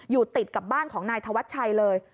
อยู่ติดกับบ้านของนายธวัชชัยเลย